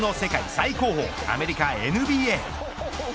最高峰アメリカＮＢＡ。